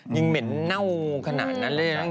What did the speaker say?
ยังเหม็นเน่าขนาดนั้น